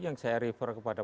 yang saya refer kepada